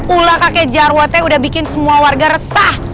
ulah kakek jarwo teh udah bikin semua warga resah